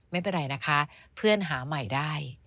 ไม่เป็นไรนะคะเพื่อนหาใหม่ได้